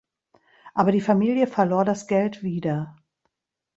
Aber die Familie verlor das Geld wieder.